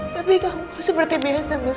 tapi kok seperti biasa mas